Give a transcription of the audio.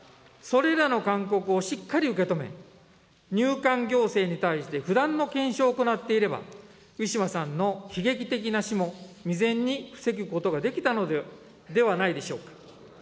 それらの勧告をしっかり受け止め、入管行政に対して不断の検証を行っていれば、ウィシュマさんの悲劇的な死も、未然に防ぐことができたのではないでしょうか。